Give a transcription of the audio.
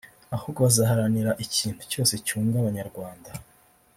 ahubwo bazaharanira ikintu cyose cyunga Abanyarwanda